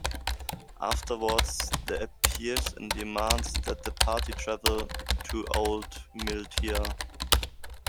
Afterward, the appears and demands that the party travel to Old Miltia.